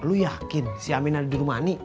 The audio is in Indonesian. lu yakin si amin ada di rumah ani